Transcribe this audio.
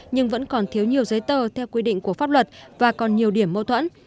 nhưng vẫn còn thiếu nhiều giấy tờ theo quy định của pháp luật và còn nhiều điểm mâu thuẫn